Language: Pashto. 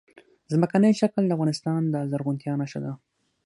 ځمکنی شکل د افغانستان د زرغونتیا نښه ده.